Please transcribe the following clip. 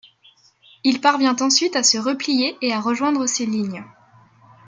Il parvient ensuite à se replier et à rejoindre ses lignes.